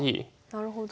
なるほど。